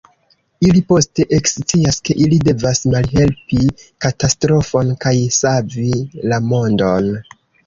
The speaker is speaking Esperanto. Ili poste ekscias, ke ili devas malhelpi katastrofon kaj savi la mondon.